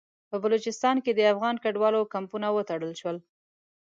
په بلوچستان کې د افغان کډوالو کمپونه وتړل شول.